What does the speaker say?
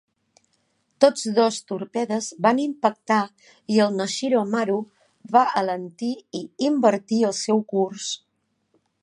Tots dos torpedes van impactar i el Noshiro Maru va alentir i invertir el seu curs.